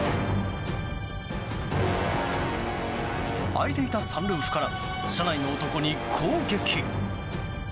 開いていたサンルーフから車内の男に攻撃。